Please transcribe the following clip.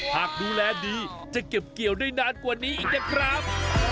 หากดูแลดีจะเก็บเกี่ยวได้นานกว่านี้อีกนะครับ